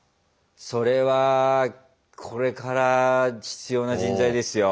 それはこれから必要な人材ですよ。